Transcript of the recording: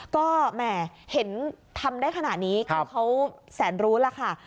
ก็เห็นทำได้ขนาดนี้เขาแสนรู้แล้วค่ะ